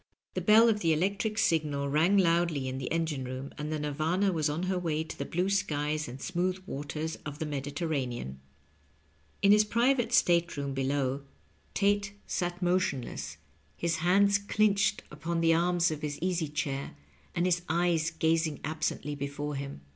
The bell of the electric signal rang loudly in the engine room, and the Nirvcma was on her way to the blue skies and smooth waters of the Mediterranean. In his private state room below Tate sat motionless, 10 Digitized by VjOOQIC 206 LOVE AND UGHTmNQ. his hands clinched upon the arms of bis easy chair, and his eyes gazing absently before him.